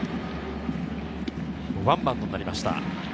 ワンバウンドになりました。